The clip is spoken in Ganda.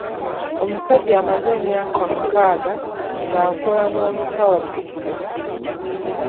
Omusajja amaze emyaka mukaaga ng’akola n’omusawo omututumufu.